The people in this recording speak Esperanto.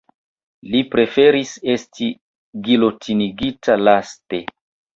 Li preferis esti gilotinigita laste.